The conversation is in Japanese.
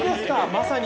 まさに。